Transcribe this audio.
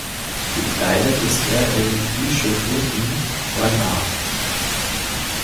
Gekleidet ist er in bischöflichem Ornat.